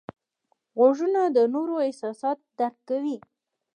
غوږونه د نورو احساسات درک کوي